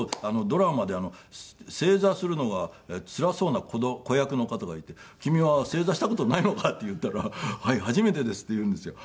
ドラマで正座するのがつらそうな子役の方がいて「君は正座した事ないのか？」って言ったら「はい。初めてです」って言うんですよ。